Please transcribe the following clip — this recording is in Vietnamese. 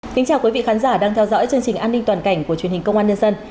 xin chào quý vị khán giả đang theo dõi chương trình an ninh toàn cảnh của truyền hình công an nhân dân